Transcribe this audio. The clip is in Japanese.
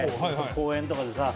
公園とかでさ。